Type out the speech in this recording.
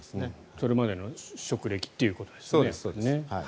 それまでの職歴ということですね。